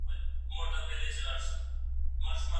ستاسو لور به هلته له علم څخه ګټه وانخلي.